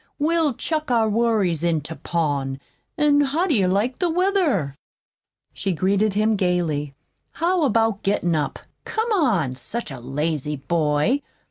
We'll chuck our worries into pawn, An' how do you like the weather?" she greeted him gayly. "How about gettin' up? Come on! Such a lazy boy!